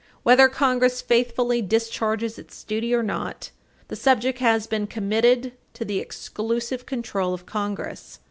Whether Congress faithfully discharges its duty or not, the subject has been committed to the exclusive control of Congress.